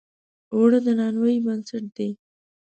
اوړه د نانوایۍ بنسټ دی